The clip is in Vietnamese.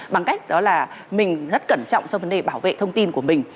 bằng cách đó là mình rất cẩn trọng trong vấn đề bảo vệ thông tin của mình